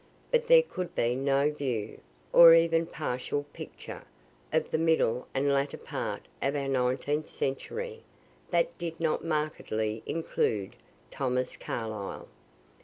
But there could be no view, or even partial picture, of the middle and latter part of our Nineteenth century, that did not markedly include Thomas Carlyle.